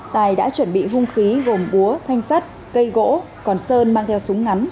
tài đã chuẩn bị hung khí gồm búa thanh sắt cây gỗ còn sơn mang theo súng ngắn